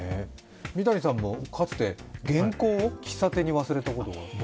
三谷さんもかつて原稿を喫茶店に忘れたことがあると？